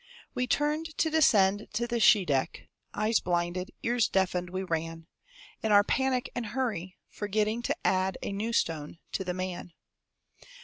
We turned to descend to the Scheideck, Eyes blinded, ears deafened, we ran, In our panic and hurry, forgetting To add a new stone to the man.